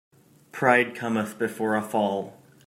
Pride cometh before a fall.